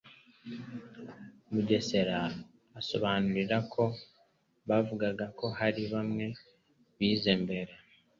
Mugesera asobanura ko bavugaga ko hari bamwe bize mbere